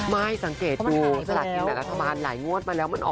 ไม่สังเกตดูศาลกิจหลายรัฐบาลหลายงวดไปแล้ว